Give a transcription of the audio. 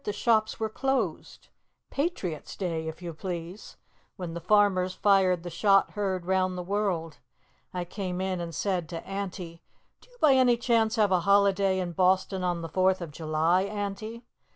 the shops were closed. Patriots' Day, if you please, when the farmers fired the shot heard round the world! I came in and said to Auntie, 'Do you by any chance have a holiday in Boston on the fourth of July, Auntie?